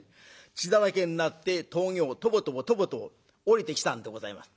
血だらけになって峠をトボトボトボトボ下りてきたんでございます。